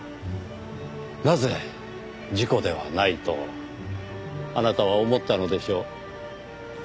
なぜ事故ではないとあなたは思ったのでしょう？